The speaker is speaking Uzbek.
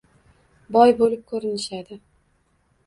. Boy bo'lib ko'rinishadi.